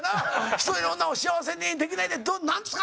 「１人の女を幸せにできないでなんですか？」。